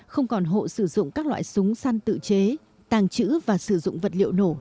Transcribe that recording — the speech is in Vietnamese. không còn hộ sử dụng các loại súng săn tự chế tàng trữ và sử dụng vật liệu nổ